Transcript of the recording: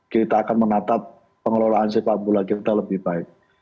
kita akan menatap pengelolaan sepak bola kita lebih baik